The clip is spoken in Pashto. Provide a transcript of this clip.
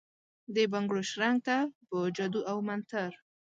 دبنګړو شرنګ ته ، په جادو اومنتر ،